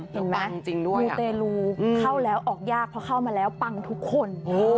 เห็นไหมมูเตรลูเข้าแล้วออกยากเพราะเข้ามาแล้วปังทุกคน